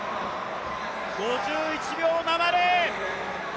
５１秒７０！